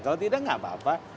kalau tidak nggak apa apa